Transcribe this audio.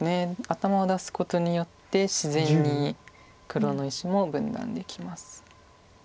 頭を出すことによって自然に黒の石も分断できます。